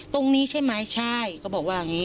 ตรงนี้ใช่ไหมใช่เขาบอกว่าอย่างนี้